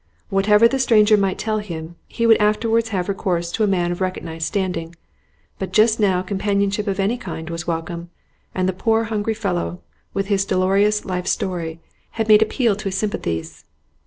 Whatever the stranger might tell him, he would afterwards have recourse to a man of recognised standing; but just now companionship of any kind was welcome, and the poor hungry fellow, with his dolorous life story, had made appeal to his sympathies.